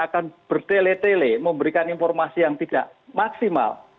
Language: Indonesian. akan bertele tele memberikan informasi yang tidak maksimal